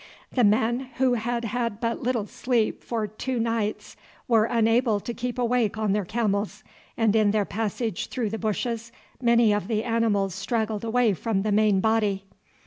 The men, who had had but little sleep for two nights, were unable to keep awake on their camels, and in their passage through the bushes many of the animals straggled away from the main body.